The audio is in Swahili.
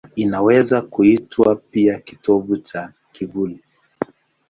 Inaweza kuitwa pia kitovu cha kivuli.